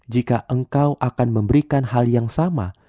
jika engkau akan memberikan hal yang sama